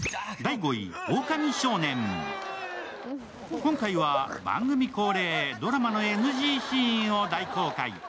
今回は番組恒例、ドラマのＮＧシーンを大公開。